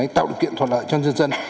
tạo được kiện thuận lợi cho dân dân